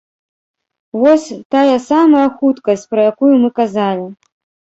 Вось тая самая хуткасць, пра якую мы казалі.